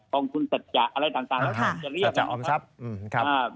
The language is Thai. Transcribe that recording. กองทุนตรัสจะอะไรต่างแล้วจะเรียกว่า